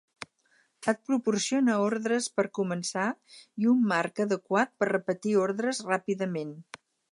Et proporciona ordres per començar i un marc adequat per repetir ordres ràpidament.